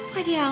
gak diangkat ya